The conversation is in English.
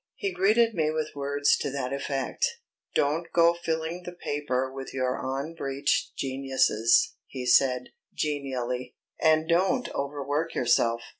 He greeted me with words to that effect. "Don't go filling the paper with your unbreeched geniuses," he said, genially, "and don't overwork yourself.